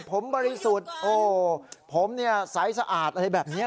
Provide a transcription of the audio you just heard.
ผมบริสุทธิ์โอ้ผมเนี่ยใสสะอาดอะไรแบบนี้